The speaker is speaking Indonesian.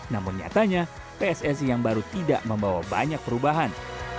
namun nyatanya pssi yang baru tidak membawa banyak perubahan